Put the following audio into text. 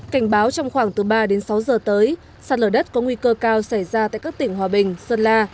cảnh báo trong khoảng từ ba đến sáu giờ tới sạt lở đất có nguy cơ cao xảy ra tại các tỉnh hòa bình sơn la